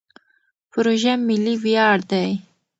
پروژه ملي ویاړ دی.